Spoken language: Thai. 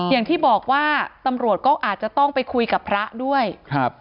อย่างที่บอกว่าตำรวจก็อาจจะต้องไปคุยกับพระด้วยครับ